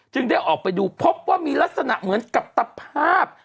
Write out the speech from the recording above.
ได้ออกไปดูพบว่ามีลักษณะเหมือนกับตภาพ